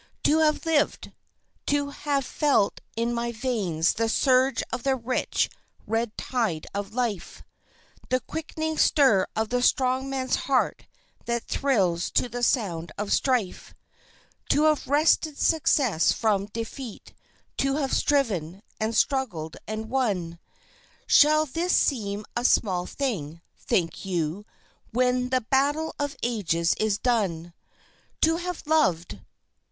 To have lived! To have felt in my veins the surge of the rich, red tide of life, The quickening stir of the strong man's heart that thrills to the sound of strife; To have wrested success from defeat, to have striven, and struggled, and won Shall this seem a small thing, think you, when the Battle of Ages is done? To have loved!